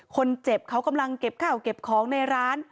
คนเจ็บเขากำลังเก็บข้าวเก็บของในร้าน